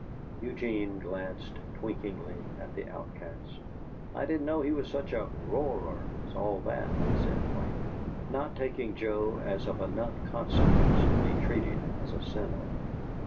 Eugene glanced twinklingly at the outcast. "I didn't know he was such a roarer as all that!" he said, lightly, not taking Joe as of enough consequence to be treated as a sinner.